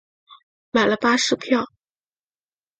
买了巴士票